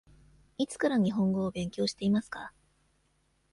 いつから日本語を勉強していますか。